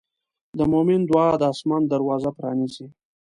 د مؤمن دعا د آسمان دروازه پرانیزي.